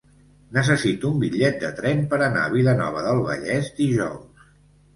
Necessito un bitllet de tren per anar a Vilanova del Vallès dijous.